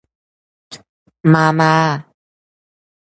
มามา